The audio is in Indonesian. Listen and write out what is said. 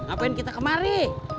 apa yang kita kemari